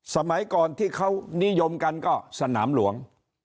สมัยก่อนที่เขานิยมกันก็สนามหลวง